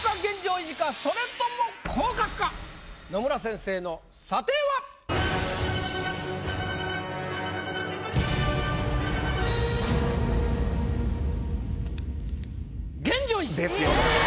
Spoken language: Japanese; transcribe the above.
それとも野村先生の査定は⁉現状維持！ですよね。